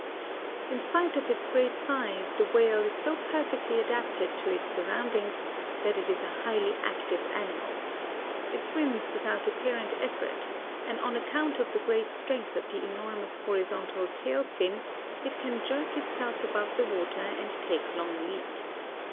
In spite of its great size the whale is so perfectly adapted to its surroundings that it is a highly active animal. It swims without apparent effort and on account of the great strength of the enormous horizontal tail fin, it can jerk itself above the water and take long leaps.